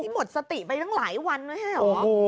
หมดสติไปตั้งหลายวันไม่ใช่เหรอ